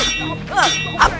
tidak ada apa apa